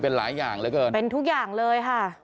เป็นหลายอย่างเหลือเกินเป็นทุกอย่างเลยค่ะ